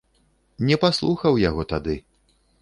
Не паслухаў яго тады.